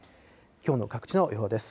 きょうの各地の予報です。